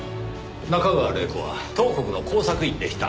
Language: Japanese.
中川麗子は東国の工作員でした。